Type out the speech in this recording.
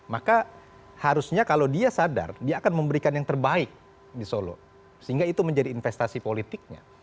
maka harusnya kalau dia sadar dia akan memberikan yang terbaik di solo sehingga itu menjadi investasi politiknya